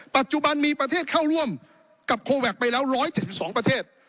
ปัจจุบันมีประเทศเข้าร่วมกับโคแวคไปแล้ว๑๑๒ประเทศ